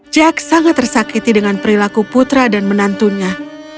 jack sangat tersakiti dengan perilaku putra dan menantunya